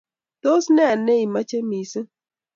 Tos ne neichame missing'?